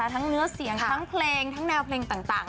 ทั้งเนื่องสีทั้งเพลงแนวเพลงต่าง